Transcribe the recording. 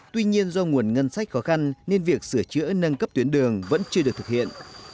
tuy nhiên do nguồn ngân sách khó khăn nên việc sửa chữa nâng cấp tuyến đường vẫn chưa được thực hiện